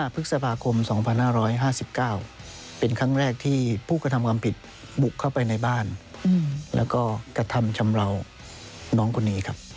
พฤษภาคม๒๕๕๙เป็นครั้งแรกที่ผู้กระทำความผิดบุกเข้าไปในบ้านแล้วก็กระทำชำเลาน้องคนนี้ครับ